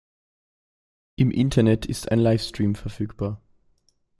Im Internet ist ein Livestream verfügbar.